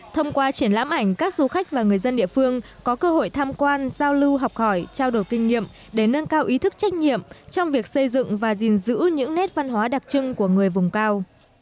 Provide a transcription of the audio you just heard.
thông qua triển lãm ảnh các du khách và người dân địa phương có cơ hội tham quan giao lưu học hỏi trao đổi kinh nghiệm để nâng cao ý thức trách nhiệm trong việc xây dựng và gìn giữ những nét văn hóa đặc trưng của người vùng cao